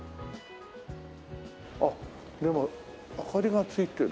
あっでも明かりがついてる。